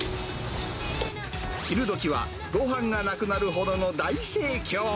昼時は、ごはんがなくなるほどの大盛況。